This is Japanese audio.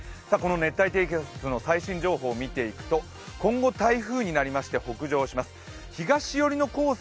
この熱帯低気圧の最新状況を見ていくと今後台風になりまして北上していきます。